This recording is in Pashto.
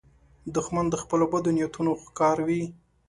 دښمن د خپلو بدو نیتونو ښکار وي